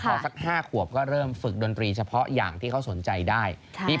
พอสัก๕ขวบก็เริ่มฝึกดนตรีเฉพาะอย่างที่เขาสนใจได้